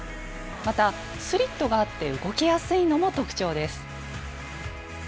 またスリットがあって動きやすいのも特徴です。